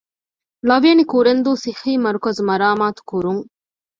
ޅ. ކުރެންދޫ ޞިއްޙީމަރުކަޒު މަރާމާތުކުރުން